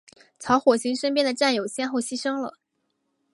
曹火星身边的战友先后牺牲了。